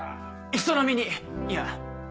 人並みにいや。